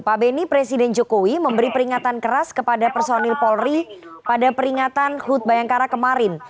pak beni presiden jokowi memberi peringatan keras kepada personil polri pada peringatan hut bayangkara kemarin